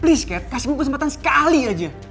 please kat kasih gue kesempatan sekali aja